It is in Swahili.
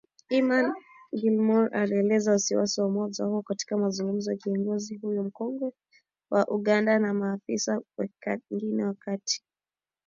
Eamon Gilmore alielezea wasiwasi wa umoja huo, katika mazungumzo na kiongozi huyo mkongwe wa Uganda na maafisa wengine wakati wa ziara yake mjini kampala